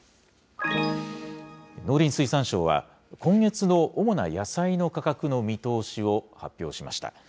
農林水産省は、今月の主な野菜の価格の見通しを発表しました。